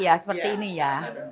iya seperti ini ya